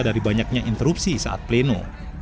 dari banyaknya interupsi saat pleno